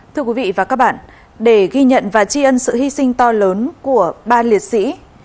thưa quý vị và các bạn để ghi nhận và tri ân sự hy sinh to lớn của ba liệt sĩ